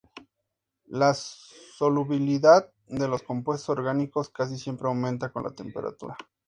La solubilidad de los compuestos orgánicos casi siempre aumenta con la temperatura.